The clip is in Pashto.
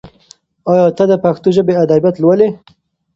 ایا ته د پښتو ژبې ادبیات لولي؟